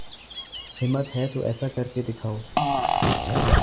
ہمت ہے تو ایسا کر کے دکھاؤ